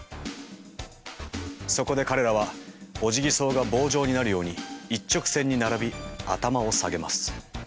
そこで彼らはオジギソウが棒状になるように一直線に並び頭を下げます。